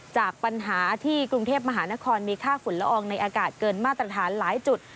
จากปัญหาที่กรุงเทพมหานครมีค่าฝุ่นละอองในอากาศเกินมาตรฐานหลายจุด